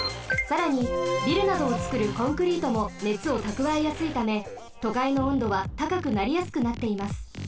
さらにビルなどをつくるコンクリートもねつをたくわえやすいためとかいの温度はたかくなりやすくなっています。